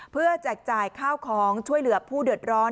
เพื่อแจกจ่ายข้าวของช่วยเหลือผู้เดือดร้อน